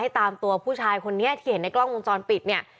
ตามตัวผู้ชายคนนี้ที่เห็นในกล้องวงจรปิดเนี่ย